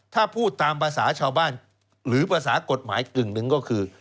ถ้าพูดตามภาษาชาวบ้านหรือภาษากฎหมายกึ่งหนึ่งก็คือ